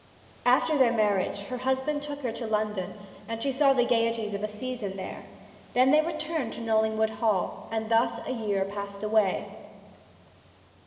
After their marriage her husband took her to London, and she saw the gaieties of a season there; then they returned to Knollingwood Hall, and thus a year passed away.